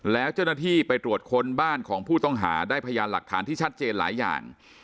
แล้วเจ้าหน้าที่ไปตรวจค้นบ้านของผู้ต้องหาได้พยานหลักฐานที่ชัดเจนหลายอย่าง